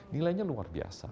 nilainya luar biasa